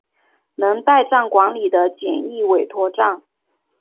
能代站管理的简易委托站。